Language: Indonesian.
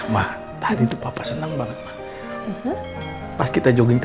ma tadi tuh papa senang banget